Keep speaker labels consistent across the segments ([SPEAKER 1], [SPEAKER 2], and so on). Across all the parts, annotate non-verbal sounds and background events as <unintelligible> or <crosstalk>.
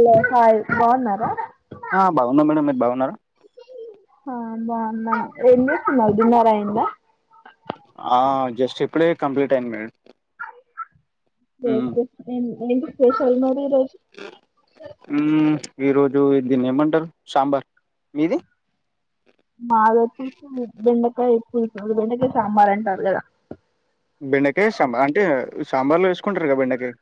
[SPEAKER 1] Hello hi బావున్నారా
[SPEAKER 2] ఆ బాగున్నా మేడం మీరు బాగున్నారా
[SPEAKER 1] ఆ బాగున్నా ఏం చేస్తున్నరు డిన్నారైంద
[SPEAKER 2] ఆ జస్ట్ ఇప్పుడే కంప్లీట్ అయ్యింది మేడ్
[SPEAKER 1] <unintelligible> ఏంటి స్పెషల్ మరి ఈరోజు
[SPEAKER 2] డు దీన్ని ఏమంటరు సాంబార్ మీది
[SPEAKER 1] మాదోచ్చేసి బెండకాయ పులుసు అది బెండకాయ సాంబార్ అంటారు కదా
[SPEAKER 2] బెండకాయ సాంబ అంటే సాంబార్లో వేసుకుంటారు కదా బెండకాయ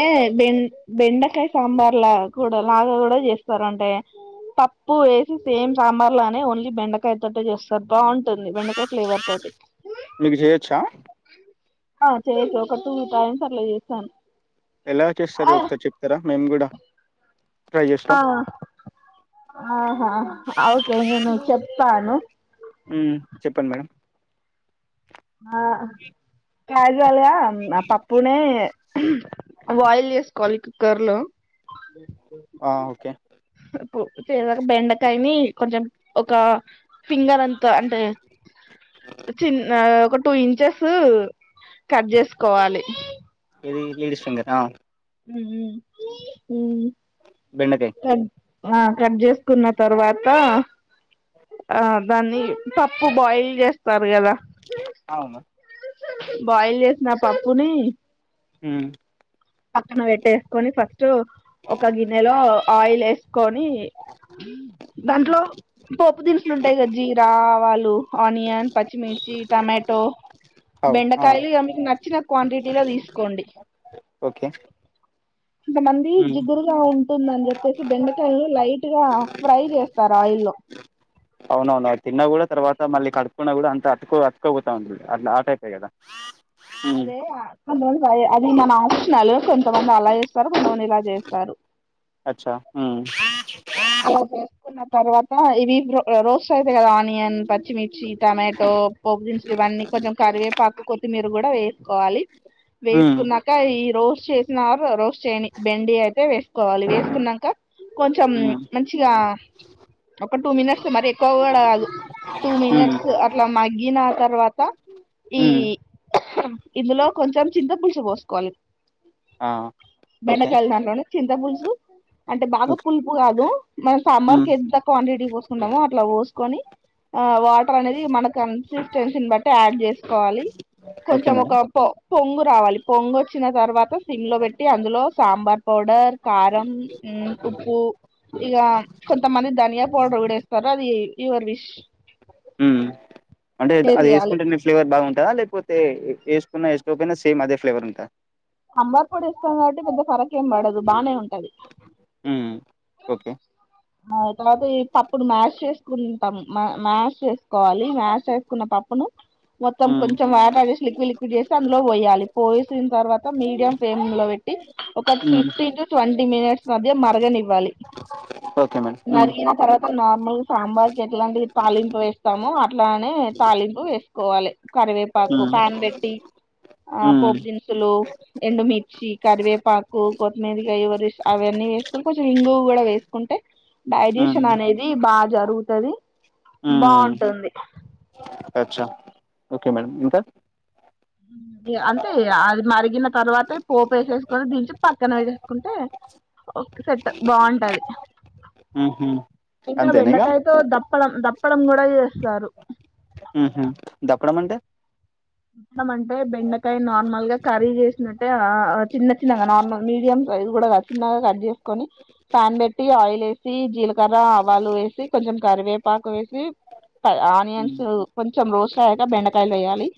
[SPEAKER 1] ఏ బెం బెండకాయ సాంబార్ లా కూడా లాగా కూడా చేస్తారు అంటే పప్పు వేసి సేమ్ సాంబార్ లానే ఓన్లీ బెండకాయ తోటే చేస్తారు బాగుంటుంది బెండకాయ ఫ్లేవర్ తో
[SPEAKER 2] మీకు చేయోచ్చా
[SPEAKER 1] ఆ చేయ్యోచ్చు ఒక టూ టైమ్స్ అట్లా చేసాను
[SPEAKER 2] ఎలా చేస్తారు ఒకసారి చెప్తారా మేం కూడా ట్రై
[SPEAKER 1] ఆ,
[SPEAKER 2] చేస్తం
[SPEAKER 1] ఆహా అ ఓకే నేను చెప్తాను
[SPEAKER 2] ఉమ్ చెప్పండి మేడ్
[SPEAKER 1] ఆ క్యాజ్వల్గా అమ్ ఆ పప్పునే బాయిల్ చేసుకోవాలి కుక్కర్లో
[SPEAKER 2] ఆ ఓకే
[SPEAKER 1] పు <unintelligible> బెండకాయని కొంచెం ఒక ఫింగర్ అంతా అంటే చిన్నా ఒక టూ ఇంచెస్ కట్ చేసుకోవాలి
[SPEAKER 2] ఏది లేడీస్ ఫింగర్ని ఆ
[SPEAKER 1] ఉమ్ మ్ ఉమ్
[SPEAKER 2] బెండకాయ్
[SPEAKER 1] కట్ ఆ కట్ చేసుకున్న తర్వాత ఆ దాన్ని పప్పు బాయిల్ చేస్తారు కదా
[SPEAKER 2] అవును
[SPEAKER 1] బాయిల్ చేసిన పప్పుని
[SPEAKER 2] ఉమ్
[SPEAKER 1] పక్కన పెట్టేసుకొని ఫస్ట్ ఒక గిన్నెలో ఆయిల్ ఏసుకొని దాంట్లో పోపు దినుసులు ఉంటాయి గా జీరా ఆవాలు ఆనియన్, పచ్చిమిర్చి, టామాటో
[SPEAKER 2] అవు ఆ
[SPEAKER 1] బెండకాయలు ఇగ మీకు నచ్చిన క్వాంటిటీలో తీసుకోండి
[SPEAKER 2] ఓకే
[SPEAKER 1] కొంతమంది
[SPEAKER 2] మ్మ్
[SPEAKER 1] జిగురుగా ఉంటుందని చెప్పేసి బెండకాయల్ను లైట్ ట్గా ఫ్రై చేస్తారు ఆయిల్లో
[SPEAKER 2] అవునవును అది తిన్నా కూడా తర్వాత మళ్ళీ కడుకున్నా కూడా అంత అటుకో అతుక్కపోతా ఉంది అట్ల ఆ టైపే కదా మ్మ్
[SPEAKER 1] అదే కొంతమందికి అది మన ఆప్షనల్ కొంతమందాల తారు కొంతమంది ఇలా చేస్తారు,
[SPEAKER 2] అచ్చా మ్మ్
[SPEAKER 1] చేసుకున్న తర్వాత ఇవి రో రోస్ట్ అయితై కదా ఆనియన్, పచ్చిమిర్చి టమాటో పోపుదినుసులు ఇవన్నీ కొంచెం కరివేపాకు కొత్తిమీరు కూడా వేసుకోవాలి
[SPEAKER 2] మ్మ్
[SPEAKER 1] వేసుకున్నాక ఈ రోస్ చేసినారు రోస్ట్ చేయని బెండి అయితే వేసుకోవాలి వేసుకున్నంక కొంచెం
[SPEAKER 2] మ్మ్
[SPEAKER 1] మంచిగా ఒక టూ మినిట్స్ మరి ఎక్కువ కూడా కాదు టూ
[SPEAKER 2] మ్మ్
[SPEAKER 1] మినిట్స్ అట్ల మగ్గిన తర్వాత ఈ
[SPEAKER 2] మ్మ్
[SPEAKER 1] ఇందులో కొంచెం చింత పులుసు పోసుకోవాలి
[SPEAKER 2] ఆ ఓకే
[SPEAKER 1] బెండకాయల దాంట్లోనే చింత పులుసు, అంటే బాగా
[SPEAKER 2] ఓకే.
[SPEAKER 1] పులుపు కాదు మనం సాంబార్
[SPEAKER 2] హ్మ్
[SPEAKER 1] కి ఎంత క్వాంటిటీ పోసుకుంటామో ఇట్లా పోసుకొని ఆ వాటర్ అనేది మన కన్సిస్టెన్సీని బట్టి ఆడ్ చేసుకోవాలి
[SPEAKER 2] ఓకే
[SPEAKER 1] కొంచం
[SPEAKER 2] మేడం
[SPEAKER 1] ఒక పొంగు రావాలి పొంగు ఒచ్చిన తర్వాత సిమ్ లో పెట్టి అందులో సాంబార్ పౌడర్ కారం ఉమ్ ఉప్పు ఇగ కొంతమంది ధనియా పౌడర్ కూడా ఏస్తరు అది యువర్ విష్
[SPEAKER 2] ఉమ్ అంటే అది
[SPEAKER 1] వేయాలి
[SPEAKER 2] ఏసుకుంటేనే ఫ్లేవర్ బాగుంటదా లేకపో తే వేసుకున్నా ఏసుకోకపోయినా సేమ్ అదే ఫ్లేవర్ ఉంటదా
[SPEAKER 1] సాంబార్ పొడి ఏస్తం కాబట్టి పెద్ద ఫరక్ ఏం బడదు బానే ఉం
[SPEAKER 2] ఊమ్ ఓకే
[SPEAKER 1] ఆ తర్వాత ఈ పప్పును మ్యాష్ చేసుకుంటము మ మ్యాష్ చేసుకోవాలి మ్యాష్ చేసుకున్న పప్పును మొత్తం
[SPEAKER 2] హ్మ్
[SPEAKER 1] కొంచెం వాటర్ ఏసీ లిక్విడ్ లిక్విడ్ చేసి అందులో పొయ్యాలి పోసిన తర్వాత మీడియం ఫ్లేమ్ లో పెట్టి ఒక
[SPEAKER 2] హ్మ్
[SPEAKER 1] ఫిఫ్టీన్ టు ట్వంటీ మినిట్స్ మధ్య మరగనివ్వాలి
[SPEAKER 2] <inaudible>
[SPEAKER 1] మరిగిన తర్వాత నార్మల్ సాంబార్కి ఎట్లాంటి తాలింపు వేస్తామో అట్లానే తాలింపు వేస్ కోవాలి కరివేపాకు
[SPEAKER 2] హ్మ్
[SPEAKER 1] ప్యాన్ బెట్టి ఆ
[SPEAKER 2] హ్మ్
[SPEAKER 1] పోపు దినుసులు ఎండుమిర్చి కరివేపాకు కొత్తిమీరిగ యువర్ విష్ వేసుకుని కొంచెం ఇంగువ గుడా వేసుకుంటే
[SPEAKER 2] హ్మ్
[SPEAKER 1] డైజెషన్ అనేది బా జరుగుతుది
[SPEAKER 2] హ్మ్
[SPEAKER 1] బాగుంటుంది
[SPEAKER 2] అచ్చా ఓకే మేడం ఇంకా
[SPEAKER 1] అంటే అది మరిగిన తర్వాత పోపు ఏసేసుకొని దించి పక్కన వేసేసుకుంటే ఒకే సెట్ బాగుంటది
[SPEAKER 2] హ్మ్ హు
[SPEAKER 1] ఇంకా
[SPEAKER 2] అంతేనా ఇగ
[SPEAKER 1] బెండకాయతో దప్పడం దప్పడం కూడా చేస్తారు
[SPEAKER 2] ఉహు దప్పడం అంటే
[SPEAKER 1] డం అంటే బెండకాయ నార్మల్ గా కర్రీ చేసినట్టే ఆ చిన్న చిన్నగా నార్మల్ మీడియం ఇది కూడాగా చిన్నగా కట్ చేసుకొని ప్యాన్ పెట్టి ఆయిల్ వే సీ జీలకర్ర ఆవాలు వేసి కొంచెం కరివేపాకు వే ఊ
[SPEAKER 2] హ్మ్
[SPEAKER 1] ఆనియన్స్ కొంచెం రోస్ట్ అయ్యాక బెండకాయలు వేయాలి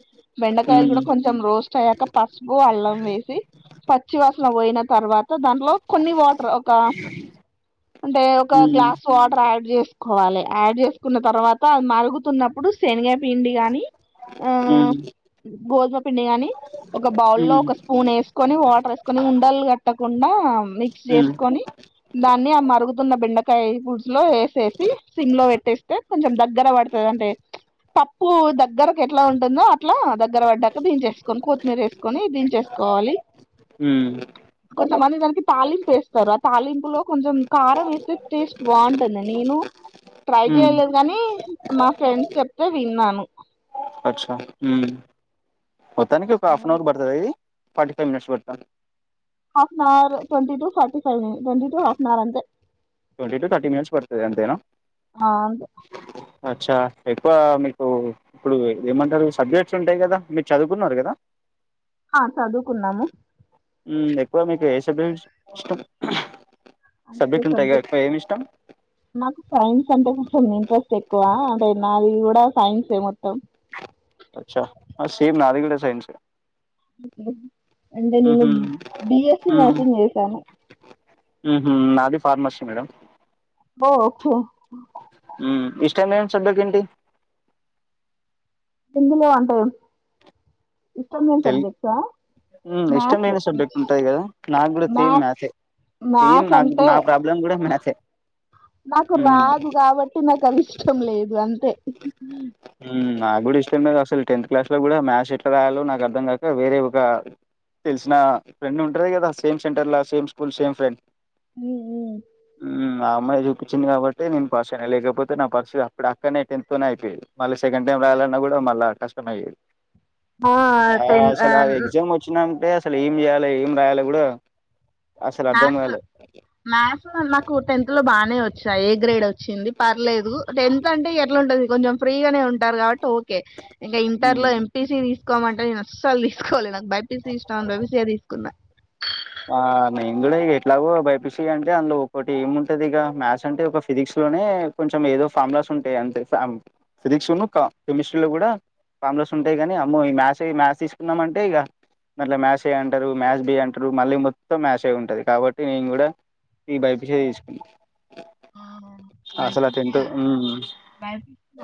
[SPEAKER 1] బెండకాయలు
[SPEAKER 2] హ్మ్
[SPEAKER 1] కూడా కొంచెం రోస్ట్ అయ్యాక పసుపు అల్లం వేసి పచ్చివాసన పోయిన తర్వాత దాంట్లో కొన్ని వాటర్ ఒక అంటే ఒక
[SPEAKER 2] హ్మ్
[SPEAKER 1] గ్లాస్ వాటర్ ఆడ్ చేసుకోవాలె ఆడ్ చే సుకున్న తర్వాత అ మరుగుతున్నప్పుడు శనగపిండి గాని ఆ
[SPEAKER 2] హ్మ్
[SPEAKER 1] గోధుమ పిండి గాని ఒక బౌల్లో
[SPEAKER 2] హ్మ్
[SPEAKER 1] ఒక స్పూన్ వేసుకొని వాటర్ ఏసుకొని ఉండలు కట్టకుండా మిక్స్
[SPEAKER 2] హ్మ్
[SPEAKER 1] చేసుకొని దాన్ని ఆ మరు రుగుతున్న బెండకాయ పులుసు లో వేసేసి సిమ్ లో పెట్టేస్తే కొంచెం దగ్గర పడుతది అంటే పప్పు దగ్గరకు ఎట్లా ఉంటుందో అట్లా దగ్గర పడ్డాక దించేసుకొని కొత్తిమీర ఏసుకొని దించేసుకోవాలి
[SPEAKER 2] హ్మ్
[SPEAKER 1] మళ్ళీ దానికి తాలింపు వేస్తారు ఆ తాలింపులో కొంచెం కారం ఏస్తే టేస్ట్ బాగుంటుంది నేను ట్రై
[SPEAKER 2] హ్మ్.
[SPEAKER 1] చేయలేదు కానీ మా ఫ్రెండ్స్ చెప్తే విన్నాను
[SPEAKER 2] అచ్చ మొత్తానికి ఒక హాఫ్ ఆన్ అవర్ పడతది ఇది ఫోర్టీ ఫైవ్ మినిట్స్ పడతా
[SPEAKER 1] half an hour twenty two forty five twenty two half an hour అంతే
[SPEAKER 2] ట్వంటీ టు థర్టీ మనిట్స్ బతది అంతేనా అచ్చా ఎక్కువ మీకు ఇప్పుడు ఏమంటారు సబ్జెక్ట్స్ ఉంటాయి కదా మీరు చదువుకున్నారు కదా
[SPEAKER 1] ఆ చదువుకున్నాము
[SPEAKER 2] ఎక్కువ మీకు ఏ సబ్జెక్ట్ ఇష్టం సబ్జెక్ట్ ఉంటాయి ఎక్కువ ఏమి ఇష్టం
[SPEAKER 1] నాకు సైన్స్ అంటే కొంచెం ఇంట్రెస్ట్ ఎక్కువ అంటే నాది కూడా సైన్స్ ఏ మొత్తం
[SPEAKER 2] అచ్ఛా సేమ్ నాది కూడా సైన్స్ ఏ
[SPEAKER 1] అంటే నేను బిఎస్సీ నర్సింగ్ చేసాను
[SPEAKER 2] ఊహు నాది ఫార్మసీ మేడం
[SPEAKER 1] ఓహో
[SPEAKER 2] ఉమ్ ఇష్టం లేని సబ్జెక్ట్ ఏంటి
[SPEAKER 1] హిందీలో అంటే ఇష్టమైన సబ్జెక్ట్సా
[SPEAKER 2] హ్మ్
[SPEAKER 1] మ్యాథ్స్
[SPEAKER 2] ఇష్టమైన సబ్జెక్ట్స్ ఉంటాయి కదా నాకు కూడా సేమ్
[SPEAKER 1] మ్యాథ్స్
[SPEAKER 2] మ్యాథ్సే సేమ్
[SPEAKER 1] మ్యాథ్స్
[SPEAKER 2] నాకు
[SPEAKER 1] అంటే
[SPEAKER 2] నా ప్రాబ్లం కూడా మ్యాచే
[SPEAKER 1] నాకు రాదు కాబట్టి నాకు అది ఇష్టం లేదు అంతే
[SPEAKER 2] హ్మ్ నాకు కూడా ఇష్టం లేదు అసలు టెన్త్ క్లాస్ లో కూడా మ్యాథ్స్ ఎట్లా రాయాలో నాకు అర్థం కాక వేరే ఒక తెలిసిన ఫ్రెండ్ ఉంటారు కదా సేమ్ సెంటర్ ల సేమ్ స్కూల్ సేమ్ ఫ్రెండ్ ఊ ఆ అమ్మాయి చూపిచ్చింది కాబట్టే నేను పాస్ అయినా లేకపోతే నా పర్సి అక్కడ క్కడనే టెన్త్ తోనే అయిపోయేది మళ్ళ సెకండ్ టైం రాయాలన్నా కూడా మళ్ళా కష్టం అయ్యేది ఆ
[SPEAKER 1] టెన్
[SPEAKER 2] అసలు ఎగ్జామ్ వచ్చినంటే అసలు ఏం చేయాలి ఏం రాయాలి కూడా అసలు అర్థం
[SPEAKER 1] మ్యాథ్స్
[SPEAKER 2] కాలే
[SPEAKER 1] మ్యాథ్స్ నాకు టెన్త్ లో బా నే వచ్చాయి ఏ గ్రేడ్ వచ్చింది పర్లేదు టెన్త్ అంటే ఎట్లా ఉంటంది కొంచెం ఫ్రీగానే ఉంటారు కాబట్టి ఓ కే ఇంకా ఇంటర్ లో
[SPEAKER 2] మ్మ్
[SPEAKER 1] ఎం పీ సి తీస్ కోమంటే నేను అసలు తీసుకోలే నాకు బై పి సీ ఇష్టం అని బై పి సీ యే తీసుకున్నా
[SPEAKER 2] ఆ నేను కూడా ఇగ ఎట్లాగో బై పి సి అంటే అందులో ఒక్కటి ఏముటదిగ మ్యాథ్స్ అంటే ఒక ఫిజిక్స్ లోనే కొంచెం ఏదో ఫార్ములాస్ ఉంటాయి అంతే ఫామ్ ఫిజిక్స్ లోనూ కా కెమిస్ట్రీ లో కూడా ఫామ్ లాస్ ఉంటాయి కానీ అమ్మో ఈ మ్యాథ్స్ ఏ మాథ్స్ తీసుకున్నాము అంటే ఇగ అట్ల మ్యాథ్స్ ఏ అంటారు మ్యాథస్ బి అంట టరు మళ్ళీ మొత్తం మ్యాథ్స్ ఏ ఉంటది కాబట్టి నేను కూడా ఈ బై పి సీ యే తీసుకున్నా
[SPEAKER 1] <inaudible>
[SPEAKER 2] అసలు ఆ టెన్త్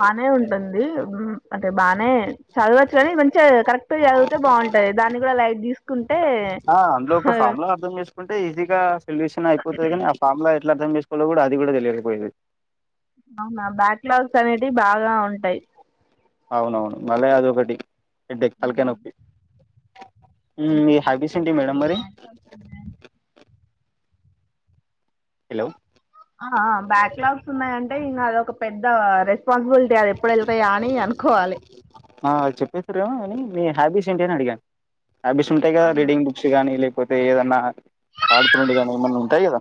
[SPEAKER 1] బానే ఉంటుంది ఉమ్ అంటే బానే చదవచ్చు కానీ మంచిగ కరెక్ట్ గా చదివితే బావుంటాయి దాన్ని కూడా లైట్ తీసు
[SPEAKER 2] ఆ అందులో ఒక ఫామ్ లా అర్థం చేసుకుంటే ఈజీగా సొల్యూషన్ అయిపోతాది కానీ ఆ ఫామ్లా ట్లా అర్థం చేసుకోవాలో కూడా అది కూడా తెలియకపోయింది
[SPEAKER 1] అవునా బ్యాక్లాగ్స్ అనేటివి బాగా ఉంటాయి
[SPEAKER 2] అవునవును మళ్ళీ అదొకటి హెడ్డేక్ తలకాయ నొప్పి మీ హ్యాబీస్ ఏంటి మేడం మరి
[SPEAKER 1] <inaudible>
[SPEAKER 2] హెలో
[SPEAKER 1] ఆ ఆ బ్యాక్ లాగ్స్ ఉన్నాయంటే ఇంక అదొక పెద్ద రెస్ స్పాన్సిబిలిటీ అది ఎప్పుడు వెళ్తాయా అని అనుకోవాలి
[SPEAKER 2] సరేమో అని మీ హ్యాబీస్ ఏంటి అని అడిగాను హ్యాబీస్ ఉంటాయి కదా రీడింగ్ బుక్స్ గానీ లేక కాకపోతే ఏదన్నా ఆడుకునేది ఏమన్నా ఉంటాయి కదా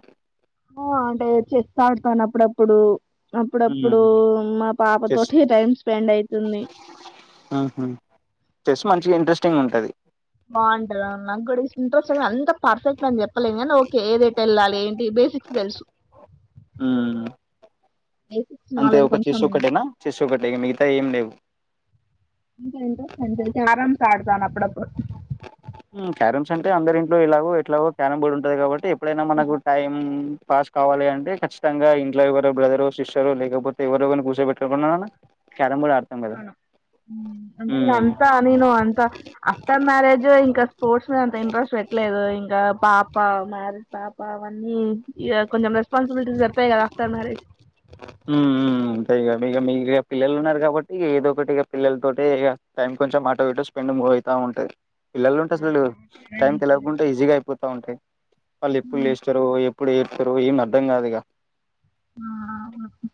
[SPEAKER 1] ఆ అంటే చెస్ ఆడుతాను అప్పుడప్పుడు అప్పుడప్పుడు
[SPEAKER 2] హ్మ్
[SPEAKER 1] మా పాప
[SPEAKER 2] చెస్
[SPEAKER 1] తోటి టైం స్పెండ్ అవుతుంది
[SPEAKER 2] ఊహూ చెస్ మంచిగా ఇంట్రెస్టింగ్ ఉంటది
[SPEAKER 1] బావుంటది అవును నాకు కూడా ఇంట్రెస్ట్ అని అంత పర్ఫెక్ట్ అని చెప్ చెప్పలేం గాని ఓకే ఎదెటు వెళ్ళాలి ఏంటి బేసిక్స్ తెలుసు
[SPEAKER 2] హ్మ్
[SPEAKER 1] బేసిక్స్
[SPEAKER 2] అంతే
[SPEAKER 1] నాలెడ్జ్
[SPEAKER 2] ఒక
[SPEAKER 1] కొంచెం
[SPEAKER 2] చెస్
[SPEAKER 1] ఉంది
[SPEAKER 2] ఒకటేనా చెస్ ఒకటే మిగతాయి ఏం లేవు
[SPEAKER 1] క్యారమ్స్ ఆడతాను అప్పుడప్పుడు
[SPEAKER 2] హ్మ్ క్యారమ్స్ అంటే అందరి ఇంట్లో ఎలాగో ఎట్లాగో క్యారమ్ బోర్డు ఉంటది కాబట్టి ఎప్పుడైనా మనకు
[SPEAKER 1] అవునా
[SPEAKER 2] టైం పాస్ కావాలి అంటే ఖచ్చితంగా ఇంట్లో ఎవరో బ్రదరో సిస్టరో లేకపోతే ఎవరువరిని కూసో పెట్టుకున్న క్యారం బోర్డ్ ఆడు
[SPEAKER 1] అను అంటె అంత నేను అంత అస్తమ మ్యారేజ్ ఇంకా స్పోర్ట్స్ మీద అంత ఇంట్రెస్ట్ పెట్టలేదు ఇంకా పాప పాప మ్యారేజ్ పాప అవన్నీ ఇగ కొంచెం రెస్పాన్సిబిలిటీస్ వత్తాయి కదా ఆఫ్టర్ మ్యారేజ్
[SPEAKER 2] హ్మ్ మ్మ్ అంతే ఇగ మీగ మీకు రేపు పిల్లలు ఉన్నారు కాబట్టి ఏదో ఒకటిగ పిల్లలతోటె ఇగ టైం కొంచెం ఆటో ఇటో స్పెండ్ మూవ్ అయితా ఉంటది పిల్లలు ఉంటే అసలు టైం తెలియకుండా ఈజీగా అయిపోతా ఉంటయి వాళ్ళు ఎప్పుడు లేస్తారో ఎప్ ఎప్పుడు ఏడుత్తరో ఏం అర్థం కాదిగా
[SPEAKER 1] ఆ ఆహా ఓ <unintelligible>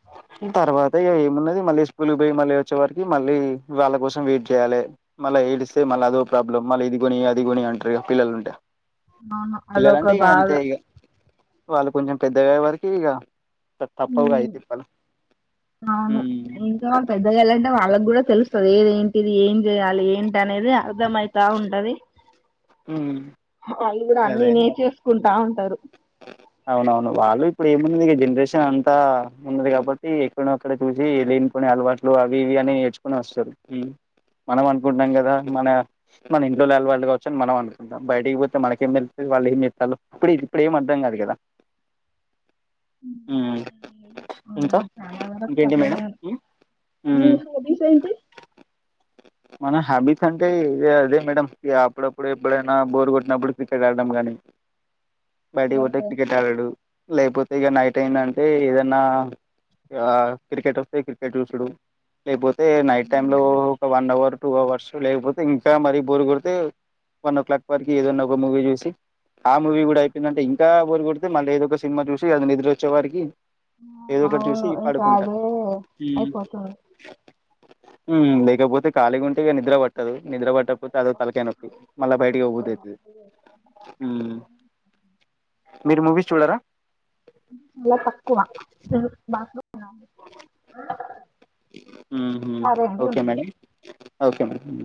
[SPEAKER 2] తర్వాత ఇగ ఏమున్నది మళ్ళీ స్కూల్ పోయి మళ్ళీ వచ్చే వరికి మళ్ళీ వాళ్ళ కోసం వెయిట్ చేయాలే మళ్ళ ఏడిస్తే మల్ల అదో ప్రాబ్లమ్ మళ్ళ ఇది గొని అది గోని అంటారు ఇగా పిల్లలు ఉంటే పిల్లలంటే
[SPEAKER 1] అదొక
[SPEAKER 2] ఇగ
[SPEAKER 1] బాధ
[SPEAKER 2] అంతే ఇగ వాళ్ళు కొంచెం పెద్దగయ్యే వరికి ఇగ తప్పవుగా యి తిప్పాలు
[SPEAKER 1] అవును ఇంకా పెద్దగా ఐయ్యిళ్ళు అంటే వాళ్ళకి కూడా తెలుస్తది ఏది ఏంటి ఇది ఏం చెయాలి ఏంటి అనేదే అర్థం అయితా ఉంటది
[SPEAKER 2] ఉమ్
[SPEAKER 1] వాళ్ళు కూడా అన్ని
[SPEAKER 2] అదే
[SPEAKER 1] నేర్చేసుకుంటా ఉంటరు
[SPEAKER 2] అవునవును వాళ్ళు ఇప్పుడు ఏమున్నది జనరేషన్ అంతా ఉన్నది కాబట్టి ఎక్కడో ఒక్కడ చూసి కొన్ని అలవాట్లు అవి ఇవి అన్ని నేర్చుకొని వస్తరు హు మనం అనుకుంటము కదా మన మన ఇంట్లోల అలవాటు కావచ్చని మనం అనుకుంటం బయటికి పోతే మనకేం తెలుత్తది ఈ వాళ్ల ఏం చేత్తాళ్లు ఇప్పుడు ఇది ఇప్పుడు ఏం అర్థం కాదు కదా ఉహు ఇంకా
[SPEAKER 1] చాలా వరకు
[SPEAKER 2] ఇంకేంటి మేడం
[SPEAKER 1] అట్లనే
[SPEAKER 2] ఉ
[SPEAKER 1] మీ హాబీస్ ఏంటి
[SPEAKER 2] మన హ్యాబిట్స్ అంటే ఇగ అదే మేడం ఇగ అప్పుడప్పుడు ఎప్పుడైనా బోర్ కొట్టినప్పుడు క్రికెట్ ఆడటం కానీ బయటకి పోతే క్రికెట్ ఆడుడు లేకపోతే ఇగ నైట్ అయిందంటే ఏదన్నా ఇగ క్రికెట్ వస్తే క్రికెట్ చూసుడు లేకపోతే నైట్ టైమ్ లో ఒక వన్ అవర్ టూ అవర్స్ లేకపోతే ఇంకా మరీ బోరు కొడితే వన్ ఓ క్లాక్ వరకి ఏదన్నా ఒక మూవీ చూసి ఆ మూవీ గుడా దంటే ఇంకా బోరు కొడితే మళ్ళీ ఏదో ఒక సినిమా చూసి అది నిద్ర వచ్చే వరికి ఏదో ఒకటి చూసి
[SPEAKER 1] అవును ఇంకా
[SPEAKER 2] పాడుకుంటా
[SPEAKER 1] అదే
[SPEAKER 2] హు
[SPEAKER 1] అయిపోతుంది
[SPEAKER 2] హు లేకపోతే ఖాళీగుంటె ఇగ నిద్ర పట్ట పట్టదు నిద్ర పట్టకపోతే అదొ ఓ తలకాయ నొప్పి మళ్ళా బయటికి పో బుద్ధి అయితది హు మీరు మూవీస్ చూడరా
[SPEAKER 1] చాలా తక్కువ <unintelligible> ఆహా
[SPEAKER 2] ఉహు ఓకే మేడం ఓకే మేడం